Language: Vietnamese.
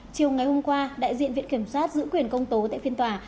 chiều ngày hôm qua đại diện viện kiểm sát giữ quyền công tố tại phiên tòa